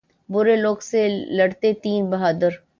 برے لوگوں سے لڑتے تین بہادر